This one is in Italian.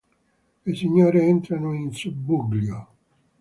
Le signore entrano in subbuglio.